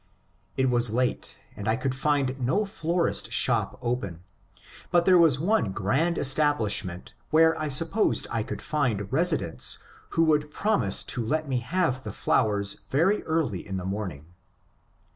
It was late, and I could find no florist shop open; but there was one grand establishment where I supposed I could flnd residents who would promise to let me have the flowers very early in the morning.